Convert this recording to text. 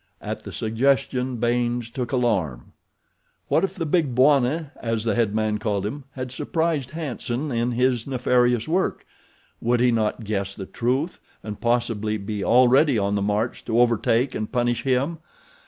At the suggestion Baynes took alarm. What if the Big Bwana, as the head man called him, had surprised "Hanson" in his nefarious work. Would he not guess the truth and possibly be already on the march to overtake and punish him?